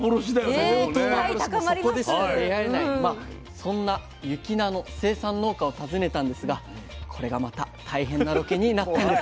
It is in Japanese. そこでしか出会えないそんな雪菜の生産農家を訪ねたんですがこれがまた大変なロケになったんです。